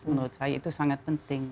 menurut saya itu sangat penting